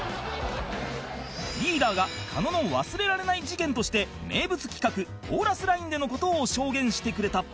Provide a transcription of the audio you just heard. リーダーが狩野の忘れられない事件として名物企画コーラスラインでの事を証言してくれた